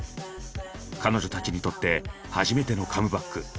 彼女たちにとって初めての「カムバック」。